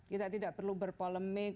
kita tidak perlu berpolemik